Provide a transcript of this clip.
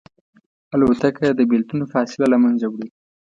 الوتکه د بېلتون فاصله له منځه وړي.